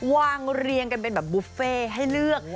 เรียงกันเป็นแบบบุฟเฟ่ให้เลือก